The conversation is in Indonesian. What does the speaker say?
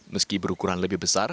meski berukuran lebih besar